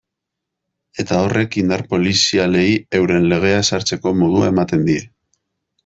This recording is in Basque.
Eta horrek indar polizialei euren legea ezartzeko modua ematen die.